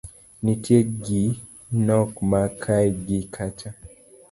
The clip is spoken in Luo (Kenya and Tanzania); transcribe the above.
Nitie gi nok ma kae gi kacha